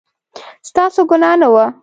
ستاسو ګناه نه وه